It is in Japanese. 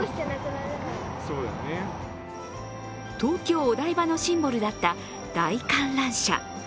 東京・お台場のシンボルだった大観覧車。